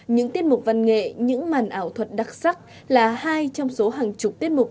những tiết mục văn nghệ những màn ảo thuật đặc sắc là hai trong số hàng chục tiết mục